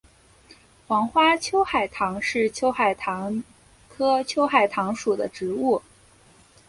黄花秋海棠是秋海棠科秋海棠属的植物。